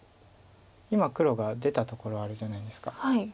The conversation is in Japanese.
今黒が出たところあるじゃないですか。